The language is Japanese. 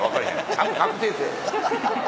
ちゃんと確定せぇ。